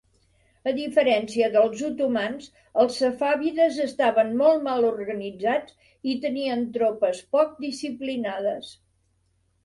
A diferència dels otomans, els safàvides estaven molt mal organitzats i tenien tropes poc disciplinades.